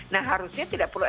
nah harusnya tidak perlu